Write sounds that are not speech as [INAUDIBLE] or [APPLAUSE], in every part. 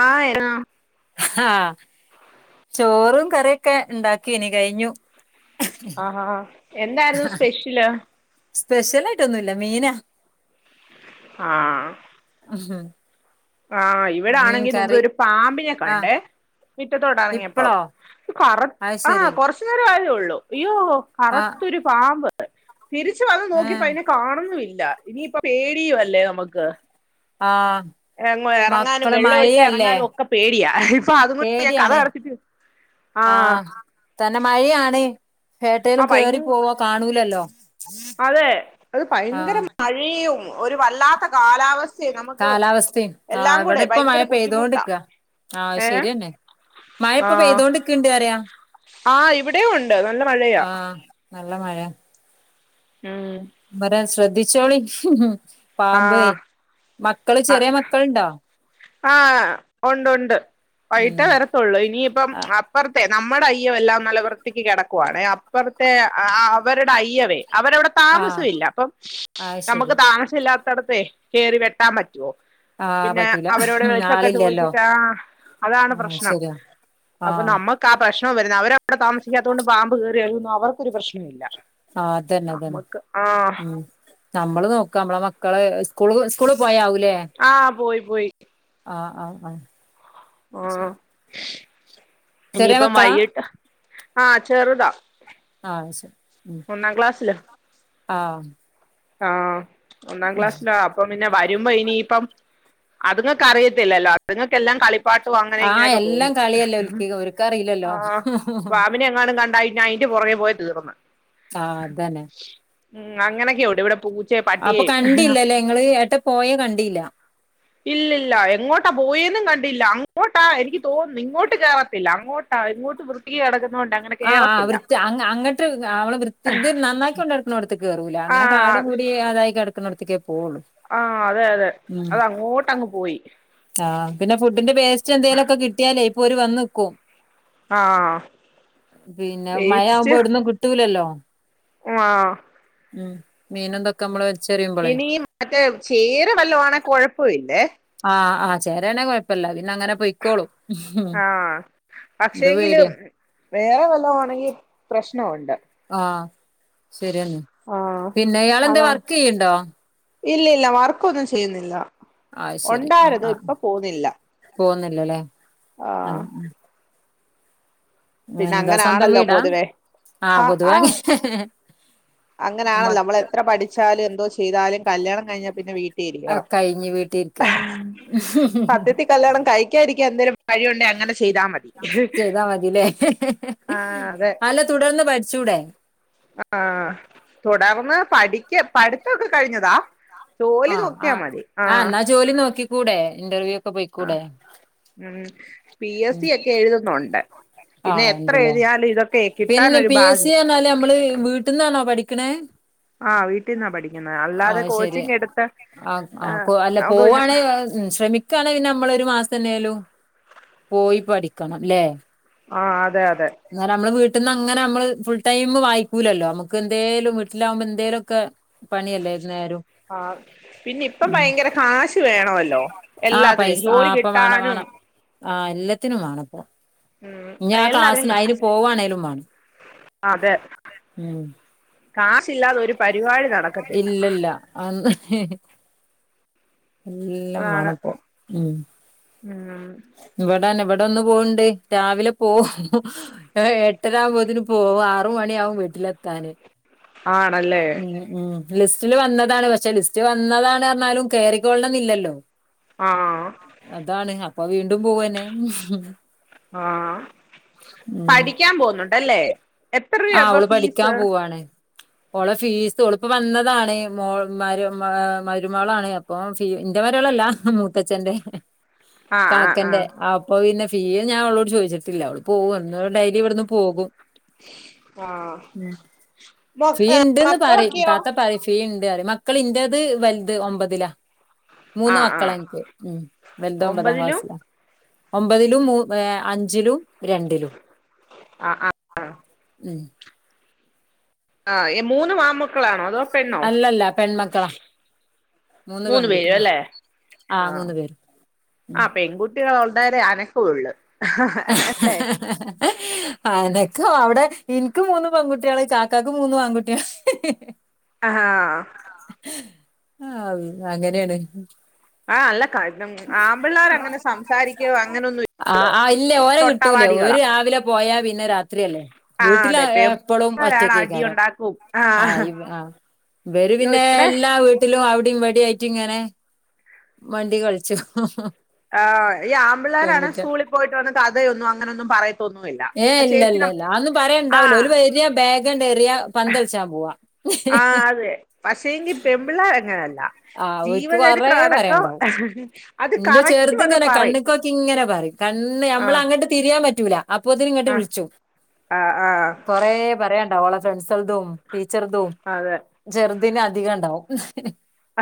ആ [UNINTELLIGIBLE] ആഹ് ചോറും കറിയും ഒക്കെ ഉണ്ടാക്കി ഇനി കഴിഞ്ഞു ആഹാ എന്തായിരുന്നു സ്പെഷ്യല് സ്പെഷ്യൽ ആയിട്ടൊന്നുമില്ല മീനാ ആഹ് [UNINTELLIGIBLE] ആഹ് ഇവിടെ മീൻ ആണെങ്കി മുമ്പ് കറി ഒരു പാമ്പിനെ ആഹ് കണ്ടേ മുറ്റത്തോട്ട് ഇറങ്ങിയപ്പം ഇപ്പളോ കറു അത് ശരി ആഹ് കൊറച്ചു നേരം ആയതേള്ളൂ അയ്യോ ആഹ് കറുത്തൊരു പാമ്പ് തിരിച്ച് വന്ന് നോക്കിപ്പം ഏഹ് അതിനെ കാണുന്നുല്ല ഇനിയിപ്പം പേടിയും അല്ലേ നമുക്ക് ആഹ് എ ഇറങ്ങാനും മക്കള് വെള്ളം ഒളിക്കാൻ മഴയല്ലേ ഇറങ്ങാനും ഒക്കെ പേടിയാ ഇപ്പൊ അതുകൊണ്ട് ഞാൻ പേടിയാണ് കതക് അടച്ചിട്ട് ആഹ് തന്നെ മഴയാണ് എവട്ടേലും ആഹ് കേറി ഭയ പോവാ കാണൂലല്ലോ അതെ അത് ഭയങ്കര ആഹ് മഴയും ഒരു വല്ലാത്ത കാലാവസ്ഥയെ നമുക്ക് കാലാവസ്ഥയും ആഹ് എല്ലാം കൂടെ ഇവിടെ ഇപ്പ മഴ ഭയങ്കര ബുദ്ധിമുട്ടാ പെയ്തോണ്ട്ക്കാ ആഹ് ഏ ശരിയന്നെ മഴ ഇപ്പൊ ആഹ് പെയ്തൊണ്ട് നിക്ക്ണ്ട് പറയാ ആഹ് ഇവിടെയും ഉണ്ട് നല്ല മഴയാ ആഹ് നല്ല മഴ ഉം വരാൻ ശ്രദ്ധിച്ചോളിൻ പാമ്പേ ആഹ് മക്കള് ചെറിയ മക്കൾണ്ടോ ആഹ് ഉണ്ട് ഉണ്ട് വൈകിട്ടേ ഉം വരത്തുള്ളൂ ഇനിയിപ്പം ആ അപ്പുറത്തെ നമ്മുടെ അയ്യം എല്ലാം നല്ലവൃത്തിക്ക് കിടക്കുവാണ് അപ്പുറത്തെ അവരുടെ അയ്യവേ അവരവിടെ ആഹ് താമസംല്ല അപ്പം ആഹ് ശരി നമുക്ക് താമസല്ലാത്തടത്ത് കയറി വെട്ടാൻ പറ്റോ ആഹ് പിന്നെ പറ്റൂല അവരോട് വിളിച്ചൊക്കെ ആളില്ലല്ലോ ചോദിച്ചിട്ട് അതാണ് ആഹ് പ്രശ്നം ശരിയാ അപ്പൊ ആഹ് നമ്മുക്ക് ആ പ്രശ്നം വരുന്നത് അവര അവിടെ താമിക്കാത്ത കൊണ്ട് പാമ്പ് കേറിയാലും അവർക്കൊരു പ്രശ്നമില്ല ആഹ് അത് തന്നെ അത് തന്നെ നമ്മക്ക് ആ ഉം നമ്മള് നോക്കാ നമ്മളെ മക്കളെ സ്കൂള് സ്കൂള് പോയാ ആഹ് പോയി പോയി ആഹ് ആഹ് ആഹ് ആഹ് ശരി ചെറിയ ഇനിയിപ്പം മക്കളാ വൈകിട്ട് ആഹ് ചെറുതാ ആഹ് ശ ഉം ഒന്നാം ആഹ് ആഹ് ഒന്നാം ക്ലാസ്സിലാ അപ്പം പിന്നെ [UNINTELLIGIBLE] രുമ്പം ഇനീപ്പം അതിങ്ങൾക്ക് അറിയത്തില്ലല്ലോ അതിങ്ങക്ക് എല്ലാം കളി പാട്ടും അങ്ങനെ ആഹ് ഇങ്ങനെയൊക്കെ എല്ലാം തോന്നും കളിയല്ലേ ഓൽക്ക് ഓര്ക്ക് അറിയില്ലല്ലോ പാമ്പിനെ എങ്ങാനും കണ്ടാ പുറകെ പോയി തീർന്ന് ആഹ് അതന്നെ ഉം അങ്ങനൊക്കെയുണ്ടിവിടെ ഇവിടെ പൂ അപ്പൊ കണ്ടില്ലല്ലേ ഇങ്ങള് ഏട്ട പോയെ കണ്ടില്ല ഇല്ലല്ല എങ്ങോട്ടാ പോയേന്നും കണ്ടില്ല. അങ്ങോട്ടാ എനിക്ക് തോന്നുന്ന് ഇങ്ങോട്ട് കേറത്തില്ല അങ്ങോട്ടാ ആ ഇങ്ങോട്ട് വൃത്തിക്ക് കെടക് ആഹ് ആ വൃത്തി അങ് അങ്ങട്ട് അവടെ വൃത്തി ഇത് നന്നാക്കി കൊണ്ടടുക്കണോ ത്ത് കേറൂല അങ്ങനെ കാട് ആഹ് മൂടി അതായി കിടക്കുന്നോട്ത്ക്കേ ആഹ് അതെ അതെ അത് അങ്ങോട്ട് അങ്ങ് പോയി ആഹ് പിന്നെ ഫുഡിന്റെ വേസ്റ്റ് എന്തെങ്കിലൊക്കെ കിട്ടിയാലേ ഇപ്പൊ ഓര് വന്ന് നിക്കും ആഹ് പിന്നെ മഴയാവുമ്പോ എവിട്ന്നും കിട്ടൂലല്ലോ ആ മ് മീനും തൊക്കെ നമ്മള് വലിച്ചെറിയുമ്പളേ ഇനീ മറ്റേ ചേര വല്ലവുവാണെ കൊഴപ്പ ഇല്ലേ ആഹ് ആഹ് ചേരാണെ കൊഴപ്പല്ല. പിന്ന അങ്ങനെ പൊയ്ക്കോളും ഹും പക്ഷെങ്കിലും വേറെ വല്ലോ ആണെങ്കി പ്രശ്നമുണ്ട് ശരിയന്ന പിന്നെ ഇയാളെന്താ വർക്കെയ്യ്ണ്ടോ ഇല്ല ഇല്ല വർക്കൊന്നും ചെയ്യുന്നില്ല ആഹ് ശരി ഉണ്ടായിരുന്നുത ഇപ്പൊ പോവുന്നില്ല ല്ല ലേ ആ ആ പിന്നെ എന്താ സ്വന്തം അങ്ങനാണല്ലോ വീടാ പൊതുവേ ആഹ് പൊതുവെ അങ്ങനാണല്ലോ നമ്മള മക്ക എത്ര പഠിച്ചാലും എന്തോ ചെയ്താലും കല്യാണം കഴിഞ്ഞാൽ പിന്നെ വീ അത് ട്ടിലിരിക്കണം. കഴിഞ്ഞ് വീട്ടിരിക്ക സത്യത്തി കല്യാണം കഴിക്കാതിരി ക്ക്യാൻ എന്തേലും വഴിയുണ്ടെ അങ്ങനെ ചെയ്താ മതി ചെയ്താ മതില്ലേ. ആഹ് അതെ അല്ല തുടർന്ന് പഠിച്ചൂടെ ആഹ് തുടർന്ന് പഠിക്ക പഠിത്ത ഒക്കെ കഴിഞ്ഞതാ ജോലി ആഹ് ആ നോക്കിയാ മതി ആ ആഹ് എന്നാ ജോലി നോക്കിക്കൂടെ ഇന്റർവ്യൂ ഒക്കെ പോയിക്കൂടെ ആഹ്. ഉം. പി എസ് സി ഒക്കെ എഴുതുന്നുണ്ട് പിന്നെ ആഹ് എത്ര ഉണ്ട് ലേ. എഴുതിയാലും ഇതൊക്കെ പിന്നെ കിട്ടാനൊരു പി എസ് സി ഭാഗ്യം പറഞ്ഞാല് നമ്മള് വീട്ട്ന്നാണോ പഠി ക്ക്ണ ആ വീട്ടിൽന്നാ പഠി അഹ് ശരി. ആ ആ ആഹ് അല്ല നമുക്ക് പിന്നെ പോവാണെ ശ്രമി ക്കാണെ പിന്നെ നമ്മളൊരു മാസ ന്നേലും പോയി പഠിക്കണംല്ലേ ആഹ് അതെ അതെ പെട്ടന്ന് അങ്ങെനെ നമ്മള് ഫുൾടൈം വായിക്കൂലല്ലോ നമക്ക് എന്തേലും വീട്ടിലാകുമ്പോ എന്തേലുഒക്കെ പണിയല്ലേ ഏത് നേരും ആഹ് പിന്നെ ഇപ്പം ഉം ഭയങ്കര കാശ് വേണോല്ലോ ആഹ് പൈസ എല്ലാത്തിനും ജോലി ആഹ് ഇപ്പൊ വേണം കിട്ടാനും വേണം ആഹ് എല്ലത്തിനും വേണപ്പോ ഉം ഇനി എല്ലാത്തിനും ക്ലാസ്സിന് അയിന് കാശ് പോവാണെലും മാണം അതെ കാശില്ലാതെ ഒരു പരിപാടി നടക്കത്തില്ല അതെ എല്ലാം അതാണ് മാണം ഇപ്പെ ഉം ഇന്ന് പോവ്ണ്ട് രാവിലെ പോവും എട്ടര ആകുമ്പോതിന് പോകും ആറ് മണിയാവും വീട്ടി ലെത്താന് ആണല്ലേ ഉം ഉം ലിസ്റ്റില് വന്നതാണ് പഷെ ലിസ്റ്റ് വന്നതാണ് പറഞ്ഞാലും കേറിക്കൊൾണന്ന് ഇല്ലല്ലോ.? ആ അതാണ് അപ്പൊ വീണ്ടും പോവ്വന്നെ ആഹ് പഠിക്കാൻ പോന്നുണ്ടല്ലേ.? ആ ഓള് പഠിക്കാ പോവാണ്. ഓളെ ഫീസ് ഒളിപ്പോ വന്നതാണ് മോൾ മര് മ ആഹ് മരുമോളാണ് അപ്പൊ ഫീ ഇന്റെ മരുമോ ല ഹ് മൂത്തചന്റെ ഹ് ആ ആ ആ കാക്കന്റെ അപ്പൊ പിന്നെ ഫീ ഞാൻ ഓളോട് ചോദിച്ചിട്ടില്ല ഓള് പോവണ് ഡൈലി ഇവിട്ന്ന് പോകും ആ മ് മൊ ഫീണ്ട്ന്ന് പറയും മക്കളൊക്കെയോ താത്ത പറയും ഫീ ഇണ്ട് അറിയും മക്കള് ഇൻ്റെത് വൽത് ഒമ്പതിലാ. ആ മൂന്ന് ആ മക്കള ഇൻക്ക് മ് വെൽതോമ്പതാ ഒമ്പതിലും ക്ലാസ്സില. ഒമ്പതിലും മൂ ഏ അഞ്ചിലും രണ്ടിലും. ആ ആ ഉം. ആഹ് ഏ മൂന്ന് ആമക്കളാണോ അതോ.? പെണ്ണോ അല്ലല്ല പെൺമക്കള. മൂന്ന് പേരല്ലെ ആഹ് മൂന്നു പേരും ആ പെകുട്ടികള വരെ അനകുള്ള്. ഹ് ഹ് ഹഹ ഹാ ഏ ഹ് അനക്കം അവിടെ ഇൻക്ക് മൂന്ന് പൺകുട്ട്യേള്‌ കാക്കക്ക് മൂന്നും ആകുട്ട്യേള്‌ ഹ് ഹ് ഹ് ഹ്. ആഹാഹ് ആവ് അങ്ങനെണ്. ആ അല്ല കാ അങ്ങനൊന്നും ആ ആ ഇല്ല ഓര് കിട്ടൂല്ല്യ ഓര് തൊട്ടാവാടികളാ രാവിലെ പോ പോയാ പിന്നെ രാത്രില്ലേ ആഹ് വീട്ടില് അതെ എ എപ്പോളും പെമ്പിള്ളാരാണ് അടി ഒറ്റകെക്കാരം ഉണ്ടാക്കും ആ ആഹ് യ് ആ ഇമ്മ വെര് അയ്യോ പിന്നെ ഇവിടെ എല്ലാ വീട്ടിലും അവ അവിടെ ആയിറ്റ് ഇങ്ങനെ വണ്ടി കളിച്ച് ഹ് ഹ് ഹു - ആ ഈ ആമ്പിള്ളേരാണ് സ്കൂളിൽ പോയിട്ട് വന്നിട്ട് അതെയൊന്നും അങ്ങനെ ന്നും പറയത്തി ഏ ഇല്ല ല്ല ല്ല അന്നും പറയുണ്ടാവൂല ഒരു ആഹ് വേര ബാഗണ്ട് എറിയ പന്തളിച്ചാ പോവാ ആ അതെ പക്ഷേകി പെമ്പിളേര് അങ്ങനല്ല. ആഹ് ഓര്ക്ക് കൊറേ ജീവചരിത്രം അടക്കം പറയാണ്ടാവും അ ഹ ഹ് അത് ഇന്റെ കറക്റ്റ് വന്ന് ചെറുതിങ്ങനെ പറയും. കണ്ണ്ക്കോക്കി ഇങ്ങനെ പറയും കണ്ണ് ഞമ്മള ആഹ് അങ്ങട്ട് തിരിയാ പറ്റൂല. അപ്പൊതിന് ഇങ്ങട്ട് ആഹ് വിളിച്ചു ആഹ് ആഹ് കൊറെ പറയണ്ടാവോളെ ഫ്രണ്ട്സ്ൾതും ടീച്ചെറുതു അതെ ചെറുതിന് അധികം ണ്ടാവും ഹ് ഹ്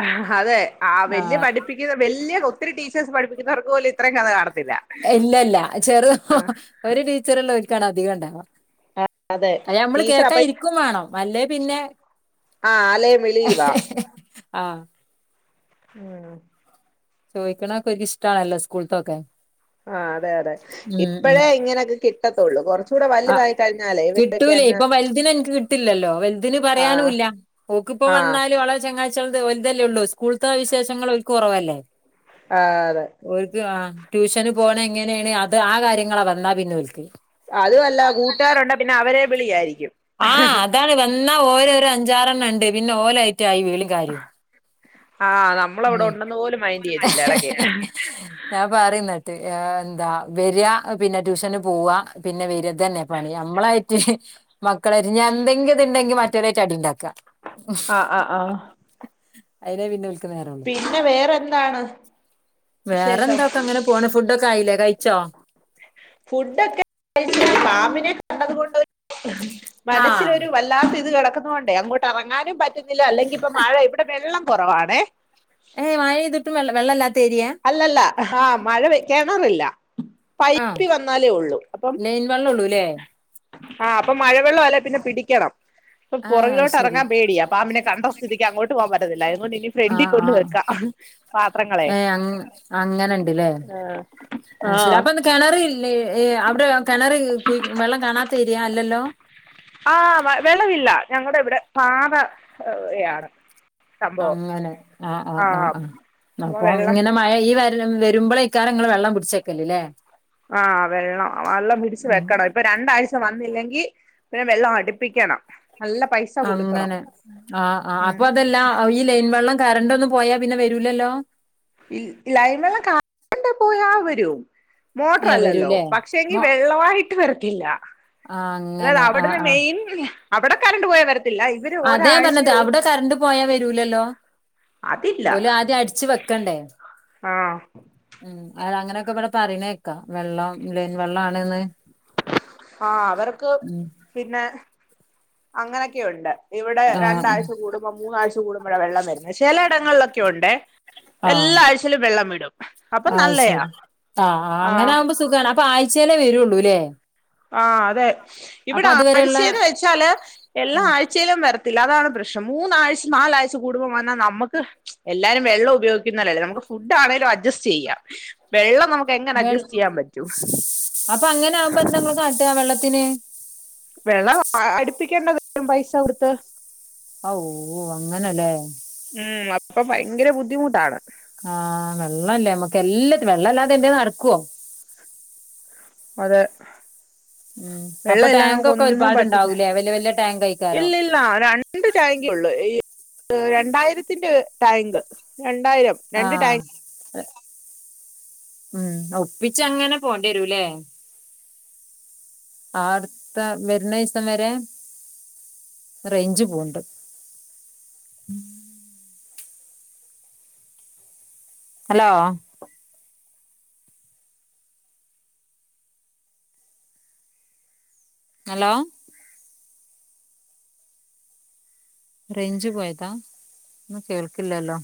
ആ ഹാ ഹ തെ ആ വല്യ പഠിപ്പിക്കുന്ന വല്യ ഒത്തിരി ടീച്ചേഴസ് പഠിപ്പിക്കുന്നവർക്ക് പോലും ഇത്രയും കഥ കാണത്തില്ല എ ഇല്ല ഇല്ല ചെറു ഹു ആ ഹു ഒരു ടീച്ചർ ഉള്ള ഒര്ക്കാണ് അധികം ണ്ടാവാ. അതെ ഐ ഞമ്മള് ടീച്ചർ കേക്കാ ഇരിക്കും വേണം അല്ലേ പിന്നെ ആഹ് അലെ വിളിവാ ആ മ് ചോയ്ക്ക്ണോക്കെ ഓൽക് ഇഷ്ടണല്ലോ സ്കൂൾത്തൊക്കെ. ആ അതെ അതെ ഉം ഉം ഇപ്പഴേ ഇങ്ങനോക്കെ കിട്ടത്തുള്ളൂ കൊറച്ച് ചൂടെ ആ വലുതായി കഴിഞ്ഞാലേ ഇവര് ടൊക്കെ അങ്ങ് ല്ലല്ലോ വെൽതിന് ആ പറയാനുല്ല ഓക്ക് പ്പോ ആ വന്നാലും ഓളെ ചങ്ങായ് ചൊൽത് ഓൽതല്ലേ ള്ളൂ സ്കൂൾത്തെ വിശേഷങ്ങള്‌ ഓൽക്ക് കൊറവല്ലേ ആ അതെ ഓൽക് ആ ട്യൂഷന് പോണ എങ്ങനെണ് അത് ആ കാര്യങ്ങളാ വന്നാ പിന്നെ ഓൽക്. അതു അല്ല കൂട്ടാരുണ്ടെ പിന്നെ അവരെ വിളിയ യി. ആഹ അതാണ് വന്നാ ഓരോരോ അഞ്ചാറെണ്ണ ണ്ട് പിന്നെ ഓലായിറ്റ ആയി വീളീം കാര്യും. ആ നമ്മളവിടെ മ് ഉണ്ടെന്ന് പോലും മൈൻഡ് എ ചെയ്യത്തില്ല ഹെ ഇടക്ക് എ ഹെ എ ഞാൻ പറയുന്നിട്ട് ആ എന്താ വരാ പിന്നെ ട്യൂഷന് പോവ പിന്നെ വരാ ദന്നെ പണി നമ്മളായിട്ട് മക്കള എന്തെങ്കിലുതുണ്ടെങ്ക മറ്റവരായിട്ടടിണ്ടാക്കാ ആ ആ ആഹ് അയിനെ പിന്നെ നേരമുള്ളൂ പിന്നെ വേറെ എന്താണ് വേറെ എന്താ ഒക്കെ അങ്ങനെ പോണ് ഫുഡൊക്കെ ആയില്ലേ കഴിച്ചോ ഫുടൊക്കെ കയിച് പാമ്പിനെ നെ കണ്ടത് കൊണ്ട് ആഹ് മനസ്സിലൊരു വല്ലാത്ത ഇത് കട [UNINTELLIGIBLE] ണ്ടേ അങ്ങോട്ട് ഇറങ്ങാനും പറ്റുന്നില്ല അല്ലെങ്കി ഇപ്പൊ മഴ ഇവിടെ വെള്ളം കുറവാണേ ഏ് മഴയ്‌തുട്ടും വെള്ള വെള്ളല്ലാ അല്ലല്ല ആഹ മഴ കെണറില്ല ആഹ് പൈപ്പി വന്നാലേ ഉള്ളൂ അപ്പം ലൈൻ വെള്ളള്ളൂല്ലേ ആഹ അപ്പൊ മഴവെള്ളം അല്ലേ പിന്നെ പിടിക്കണം അപ്പ പുറകിലോട്ട്റങ്ങാൻ ആഹ് പേടിയാ പുറകോട്ട് ശരി ഇറങ്ങാൻ പേടിയാ പാമ്പിനെ കണ്ട സ്ഥിതിക്ക് അങ്ങോട്ട് പോവാൻപറ്റത്തില്ല അതുകൊണ്ട് ഇനി ഫ്രണ്ടി ആഹ് ആഹ് കൊണ്ടുവക്ക പാത്രങ്ങളെ ഏഹ് അങ്ങനെണ്ട്ല്ലേ ആ ആ ശരി അപ്പൊ കെണറില്ലേ ഏ അവിടെ കിണറി കുയ്‌ വെള്ളം കാണാതേരിയാ അല്ലല്ലോ ഞങ്ങടെ ഇവിടെ പാറ യാണ് അങ്ങനെ ആഹ് ആഹ് ആഹ് ആഹ് അപ്പൊ അപൊ വെള്ളം ങ്ങനെ മഴ ഈ വ വരുമ്പളേ ക്കാരം ങ്ങള് വെള്ളം പുടിച്ചേക്കല്ല്ലേ ആഹ വെള്ളം വള്ളം പിടിച്ച് ഉം വെക്കണം ഇപ്പൊ രണ്ടാഴ്ച വന്നില്ലെങ്കിൽ പിന്നെ വെള്ളം അടുപ്പിക്കണം നല്ല പൈസ കൊടുക്കണം അങ്ങനെ ആ ആ് ഉം അപ്പൊ അതെല്ലാ ഈ ലൈൻ വെള്ളം കറണ്ട് ഒന്നും പോയാ പിന്നെ വരൂലല്ലോ ലൈൻ വെള്ളം കറണ്ട് പോയാ വരും ഏ മോട്ടറല്ലല്ലോ വരൂലേ പക്ഷെങ്കി മോ വെള്ളവായിട്ട് വരത്തില്ല ആ അതായത് അങ്ങനെ ആ അവിടുന്ന് ആ മെയിൻ അവിടെ കറണ്ടു പോയാ വര അതാ ഞാൻ പറഞ്ഞത് അവിടെ കറണ്ട് പോയാ വരൂലല്ലോ ഓലാദ്യം അടിച്ചു വെക്കണ്ടേ ആ അ അങ്ങനെയൊക്കെ ഇവിടെ പറയണേക്കാ വെള്ളം ലൈൻ വെള്ളാണന്ന് ആ അവർക്ക് പിന്നെ അങ്ങനൊക്കെ ഉണ്ട് ഇവിടെ ആ രണ്ടാഴ്ച കൂടുമ്പം മൂന്നാഴ്ച കൂടുമ്പഴാ വെള്ളം വരുന്നത് ചെല എടങ്ങളിലൊക്കെ ഉണ്ടെ ആ എല്ലാ ആഴ്ചയിലും വെള്ളം വിടും അപ്പൊ ആഹ് ശരി നല്ലയാ ആ ഇപ്പൊ ആഴ്ചാലേ വരുള്ളൂല്ലേ ആ അതെ അപ്പൊ ഇവിടെ അതുവരെയുള്ള ആഴ്ചെന്ന് വെച്ചാല് എല്ലാ ഉം ആയ്‌ചേലും വര ല്ലാതാണ് പ്രശ്നം മൂന്നാഴ്ച നാലാഴ്ച കൂടുമ്പോ വന്നാൽ നമ്മക്ക് എല്ലാരും വെള്ളം ഉപയോഗിക്കുന്നൊലല്ലേ നമുക്ക് ഫുഡ് ആണെലും അഡ്ജസ്റ്റ് ചെയ്യാം വെള്ളം നമുക്ക് എങ്ങനെ വെ അഡ്ജസ്റ്റ് ചെയ്യാൻ പറ്റും അപ്പൊ അങ്ങനാകുമ്പ ങ്ങള് ന്താ കാട്ടാ വെള്ളത്തിന് വെള്ളം അടുപ്പിക്കേണ്ടവരും പൈസ കൊടുത്ത് ഔഓ അങ്ങനെല്ലേ ഉം അപ്പൊ ഭയങ്കര ബുദ്ധിമുട്ടാണ് ആഹ വെള്ളല്ലേ മ്മക്ക് എല്ലാത്തിനും വെള്ളല്ലാതെ എന്തേലും നടക്കുവോ അതെ ഉം വെള്ള അപ്പൊ ഇല്ലാ നമുക്ക് ടാങ്കൊക്കെ ഒന്നും പറ്റില്ല ഒരുപാടുണ്ടാവൂലേ വല്യ വല്യ ടാങ്ക് ആയിക്കാരം ഇല്ലില്ല രണ്ട് ചായങ്കി ള്ളൂ രണ്ടായിരത്തിന്റെ ടാങ്ക് രണ്ടായിരം രണ്ട് ടാങ്ക് ആഹ് ഉം ഒപ്പിച്ചങ്ങനെ പോണ്ടിയെരൂല്ലേ ആടുത്ത വരുന്ന ദിസം വരെ റേയ്ഞ്ച് പോണ്ട് ഹലോ ഹലോ. രഞ്ചു പോയതാ ഒ കേൾക്കില്ലല്ലോ